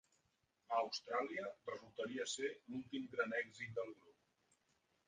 A Austràlia, resultaria ser l'últim gran èxit del grup.